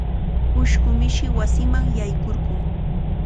Ushqu mishi wasima yaykurqun.